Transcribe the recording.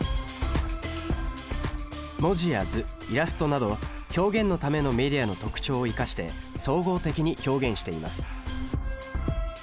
文字や図イラストなど「表現のためのメディア」の特徴を生かして総合的に表現しています。